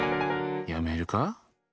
やめるか？